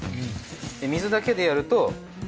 水だけでやると。